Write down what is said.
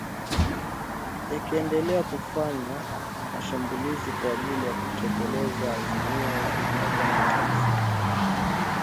yakiendelea kufanya mashambulizi kwajili ya kutekeleza azimio la umoja mataifa